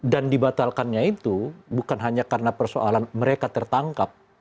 dan dibatalkannya itu bukan hanya karena persoalan mereka tertangkap